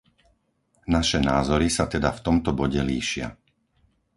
Naše názory sa teda v tomto bode líšia.